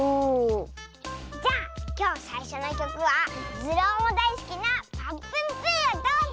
じゃきょうさいしょの１きょくはズルオもだいすきな「ぱっぷんぷぅ」をどうぞ！